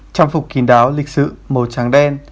trang phục kín đáo lịch sử màu trắng đen